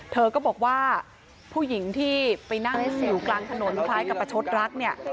เธอก็บอกว่าผู้หญิงที่ไปนั่งสิวกลางถนนคล้ายกับประชดรักเนี่ย